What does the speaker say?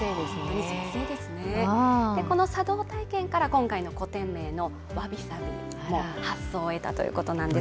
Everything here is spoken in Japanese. この茶道体験から今回の個展名の「わびさび」の発想を得たということなんです。